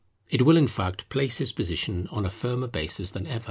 It will in fact place his position on a firmer basis than ever.